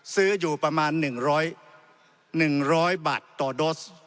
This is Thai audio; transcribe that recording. ซื้ออยู่ประมาณ๑๐๐บาทต่อโดส